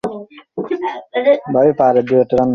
আমি ফ্রীতে মারি না।